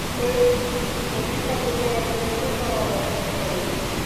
বিপ্লবী কার্যকলাপের জন্য কারাবাস করেন।